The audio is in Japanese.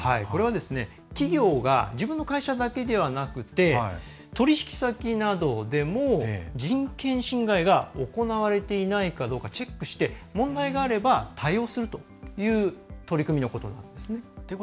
これは、企業が自分の会社だけではなくて取引先などでも人権侵害が行われていないかチェックして問題があれば対応するという取り組みのことなんですね。